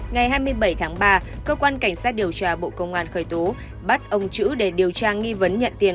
ngày hai mươi bảy tháng ba cơ quan cảnh sát điều tra bộ công an khởi tố bắt ông chữ để điều tra nghi vấn nhận tiền